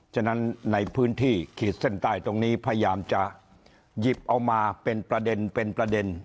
ฉะนั้นในพื้นที่ขีดเส้นใต้ตรงนี้พยายามจะหยิบเอามาเป็นประเด็นเป็นประเด็น